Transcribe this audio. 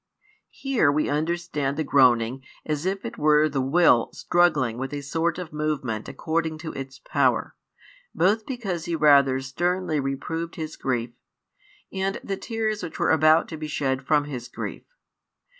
Here we understand the groaning as if it were the will struggling with a sort of movement according to its power, both because He rather sternly reproved His grief, and the tears which were about to be shed from His grief.